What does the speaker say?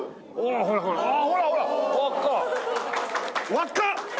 輪っか！